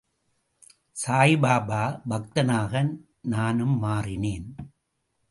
சாயிபாபா பக்தனாக நானும் மாறினேன்.